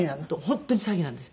本当に詐欺なんです。